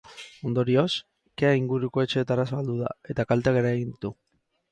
Ondorioz, kea inguruko etxeetara zabaldu da, eta kalteak eragin ditu.